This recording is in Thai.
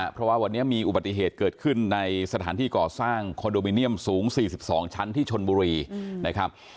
เพราะว่าวันนี้มีอุบัติเหตุเกิดขึ้นในสถานที่ก่อสร้างคอนโดมิเนียมสูง๔๒ชั้นที่ชนบุรีนะครับ